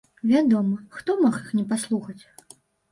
Вядома, хто мог іх не паслухаць?